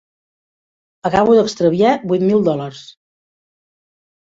Acabo d'extraviar vuit mil dòlars.